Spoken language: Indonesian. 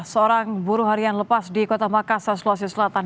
seorang buruh harian lepas di kota makassar sulawesi selatan